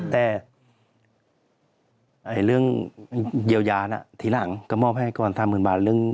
แต่เรื่องเยียวยาน่ะทีหลังก็มอบให้ก่อน๓๐๐๐บาท